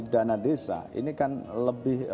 dana desa ini kan lebih